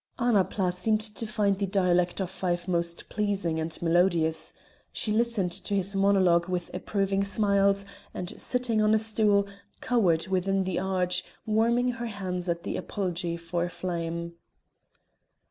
Annapla seemed to find the dialect of Fife most pleasing and melodious. She listened to his monologue with approving smiles, and sitting on a stool, cowered within the arch, warming her hands at the apology for a flame.